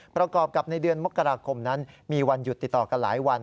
ประกอบกับในเดือนมกราคมนั้นมีวันหยุดติดต่อกันหลายวัน